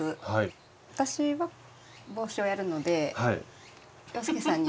私は帽子をやるので洋輔さんに。